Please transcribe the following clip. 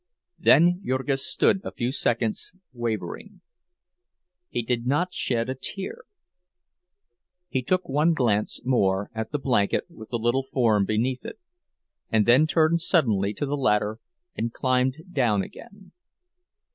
Then Jurgis stood a few seconds, wavering. He did not shed a tear. He took one glance more at the blanket with the little form beneath it, and then turned suddenly to the ladder and climbed down again.